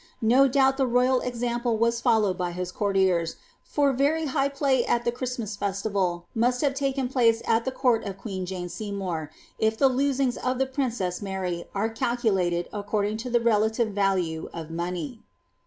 No doubt the rovid example was fullowod by his courtiers, for very high pluy at the Christmas festival must have taken place at tlie court of queen Jane Seymour, if the losings of the princess Mary are calculated according to the relative value of money.